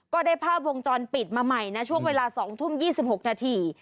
ก็ได้ภาพวงจรปิดมาใหม่นะช่วงเวลา๒ทุ่ม๒๖นาที